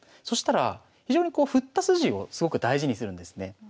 そしたら非常にこう振った筋をすごく大事にするんですね。